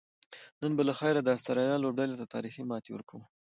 نن به لخیره د آسترالیا لوبډلې ته تاریخي ماته ورکوو